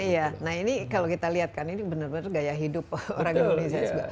iya nah ini kalau kita lihat kan ini benar benar gaya hidup orang indonesia